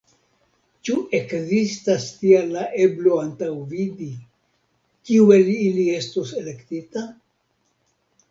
Ĉu ekzistas tial ia eblo antaŭvidi, kiu el ili estos elektita?